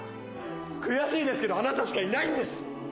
悔しいですけどあなたしかいないんです